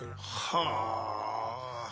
はあ。